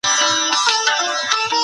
رحمت داودى محمدعلي شرر